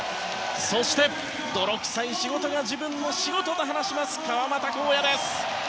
そして、泥臭い仕事が自分の仕事と話します川真田紘也です。